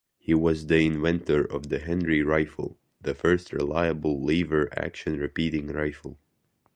He was the inventor of the Henry rifle, the first reliable lever-action repeating rifle.